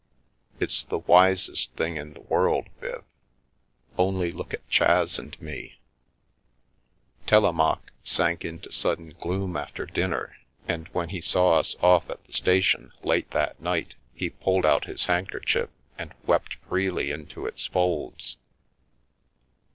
It's the wisest thing in the world, Viv. Only look at Chas and me !" Telemaque sank into sudden gloom after dinner, and when he saw us off at the station, late that night, he pulled out his handkerchief and wept freely into its folds.